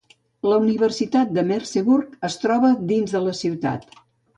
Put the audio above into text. La Universitat de Merseburg es troba dins de la ciutat.